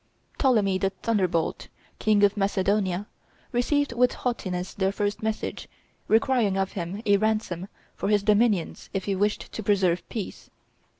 Ptolemy the Thunderbolt, King of Macedonia, received with haughtiness their first message requiring of him a ransom for his dominions if he wished to preserve peace.